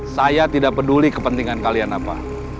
saya tidak peduli kepentingan kalian apa